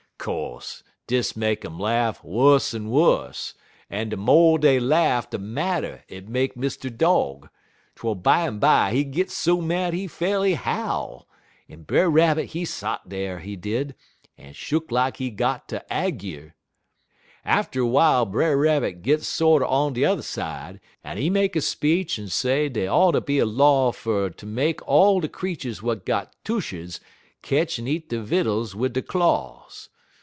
"Co'se dis make um laugh wuss en wuss, en de mo' dey laugh de madder it make Mr. Dog, twel bimeby he git so mad he fa'rly howl, en Brer Rabbit he sot dar, he did, en shuck lak he got er ager. "Atter w'ile Brer Rabbit git sorter on t'er side, en he make a speech en say dey oughter be a law fer ter make all de creeturs w'at got tushes ketch en eat der vittles wid der claws.